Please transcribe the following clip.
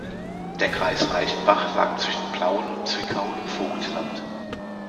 Der Kreis Reichenbach lag zwischen Plauen und Zwickau im Vogtland.